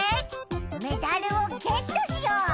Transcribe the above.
メダルをゲットしよう！